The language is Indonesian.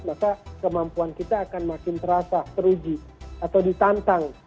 maka kemampuan kita akan makin terasa teruji atau ditantang